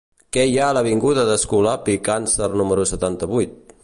Què hi ha a l'avinguda d'Escolapi Càncer número setanta-vuit?